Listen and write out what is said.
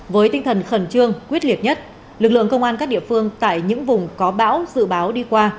với tinh thần khẩn trương quyết liệt nhất lực lượng công an các địa phương tại những vùng có bão dự báo đi qua